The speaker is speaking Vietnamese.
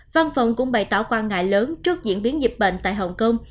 văn phòng cũng bày tỏ quan ngại lớn trước diễn biến dịch bệnh tại hồng kông